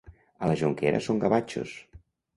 A la Jonquera són gavatxos.